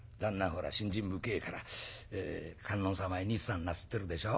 ほら信心深えから観音様へ日参なすってるでしょ。